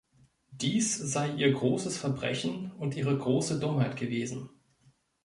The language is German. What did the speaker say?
Dies sei ihr großes Verbrechen und ihre große Dummheit gewesen.